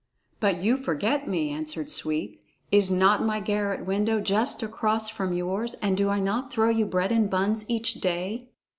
"But you forget me," answered Sweep. "Is not my garret window just across from yours, and do I not throw you bread and buns each day?"